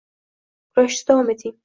Kurashishda davom eting